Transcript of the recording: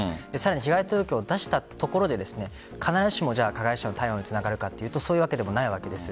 被害届を出したところで必ずしも加害者の逮捕につながるかというとそういうわけでもないんです。